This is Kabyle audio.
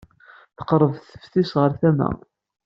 Teqreb teftist ɣer tama-a?